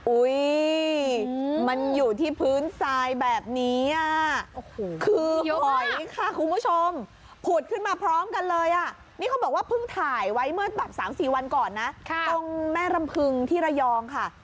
อุ้ยมันอยู่ที่พื้นทรายแบบนี้อ่ะโอ้โหคือหอยค่ะคุณผู้ชมผุดขึ้นมาพร้อมกันเลยอ่ะนี่เขาบอกว่าเพิ่งถ่ายไว้เมื่อแบบ๓๔วันก่อนนะตรงแม่รำพึงที่ระยองค่ะ